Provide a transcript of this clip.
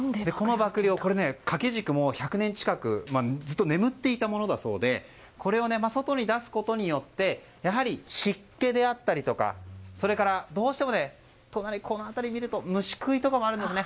この曝涼、掛け軸も１００年近くずっと眠っていたものだそうでこれを外に出すことによってやはり、湿気であったりとかそれからどうしても虫食いとかもあるんです。